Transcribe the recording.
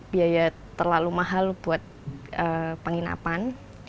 biaya terlalu mahal buat penginapan